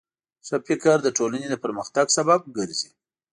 ښه فکر د ټولنې د پرمختګ سبب ګرځي.